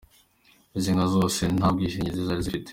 Izi nka zose nta bwishingizi zari zifite.